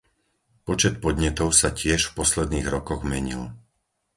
Počet podnetov sa tiež v posledných rokoch menil.